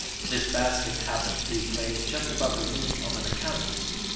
This basket happened to be placed just above the root of an acanthus.